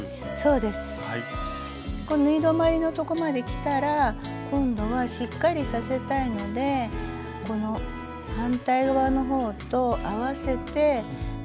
縫い止まりのとこまできたら今度はしっかりさせたいのでこの反対側の方と合わせて返し縫いを２３針します。